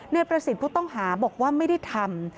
นายประสิทธิ์ผู้ต้องหาบอกว่าไม่ได้ทำ